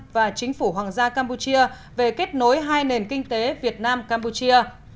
và chính phủ hoàng gia campuchia về kết nối hai nền kinh tế việt nam campuchia